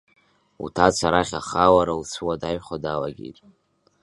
Уҭаца арахь ахалара лцәуадаҩхо далагеит.